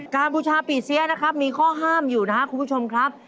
การปืชชาฝีเสียมีข้อห้ามอยู่นะครับคุณผู้ชมครับ